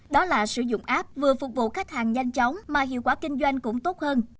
đó là sử dụng app vừa phục vụ khách hàng nhanh chóng mà hiệu quả kinh doanh cũng tốt hơn